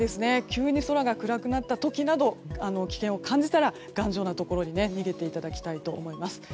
急に空が暗くなった時など危険を感じたら頑丈なところに逃げていただきたいと思います。